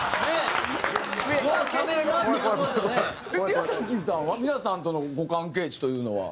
宮崎さんは皆さんとのご関係値というのは？